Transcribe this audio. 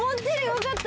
よかった。